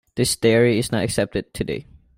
This theory is not accepted today.